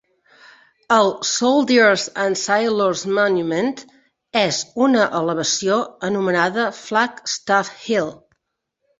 El "Soldiers and Sailors Monument" és en una elevació anomenada Flag Staff Hill.